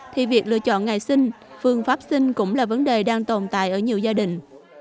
thì việc lựa chọn ngày sinh phương pháp sinh cũng là vấn đề đang tồn tại ở nhiều gia đình